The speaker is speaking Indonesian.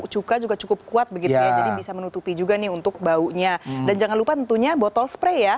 cuka juga cukup kuat begitu ya jadi bisa menutupi juga nih untuk baunya dan jangan lupa tentunya botol spray ya